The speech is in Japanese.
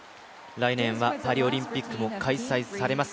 来年はパリオリンピックも開催されます。